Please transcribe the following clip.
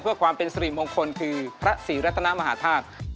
เพื่อความเป็นสิริมงคลคือพระศรีรัตนมหาธาตุ